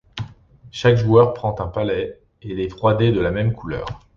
Chaque joueur prend un palet et les trois dés de la même couleur.